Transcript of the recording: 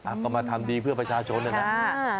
ก็มาทำดีเพื่อประชาชนนะครับ